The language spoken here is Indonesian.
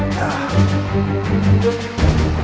aku akan membunuhmu